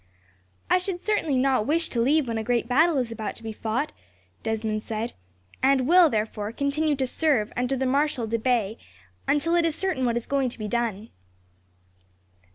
"I should certainly not wish to leave when a great battle is about to be fought," Desmond said, "and will, therefore, continue to serve under the Marshal de Bay until it is certain what is going to be done."